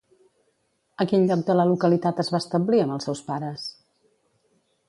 A quin lloc de la localitat es va establir amb els seus pares?